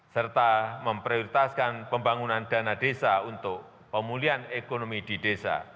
serta memprioritaskan pembangunan dana desa untuk pemulihan ekonomi di desa